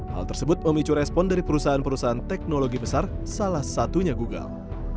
hal tersebut memicu respon dari perusahaan perusahaan teknologi besar salah satunya google